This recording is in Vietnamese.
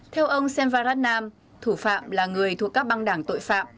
theo ông sen varadnam thủ phạm là người thuộc các băng đảng tội phạm